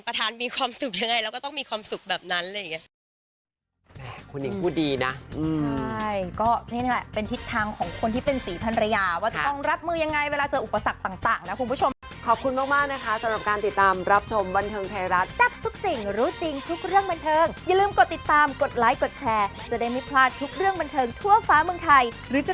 ประธานมีความสุขยังไงเราก็ต้องมีความสุขแบบนั้นเลย